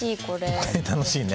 これ楽しいね。